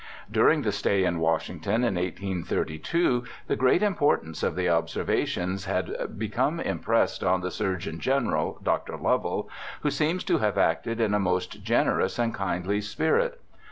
During the stay in Washington in 1832 the great importance of the observations had become impressed on the Surgeon General, Dr. Lovell, who seems to have acted in a most generous and kindly spirit.